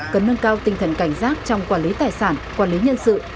cần nâng cao tinh thần cảnh giác trong quản lý tài sản quản lý nhân sự